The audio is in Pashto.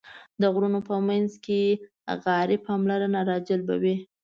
د غرونو په منځ کې غارې پاملرنه راجلبوي.